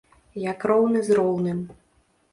Як роўны з роўным.